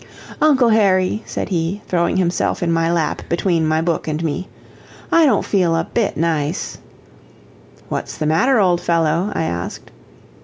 "Uncle Harry," said he, throwing himself in my lap between my book and me, "I don't feel a bit nice." "What's the matter, old fellow?" I asked.